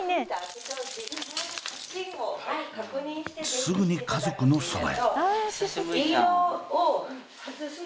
すぐに家族のそばへ。